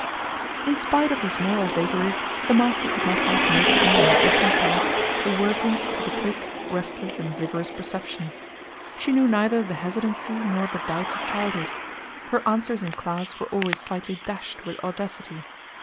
In spite of these moral vagaries, the master could not help noticing in her different tasks the working of a quick, restless, and vigorous perception. She knew neither the hesitancy nor the doubts of childhood. Her answers in class were always slightly dashed with audacity.